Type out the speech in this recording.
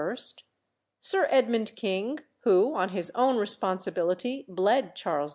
Sir Edmund King, who, on his own responsibility, bled Charles II.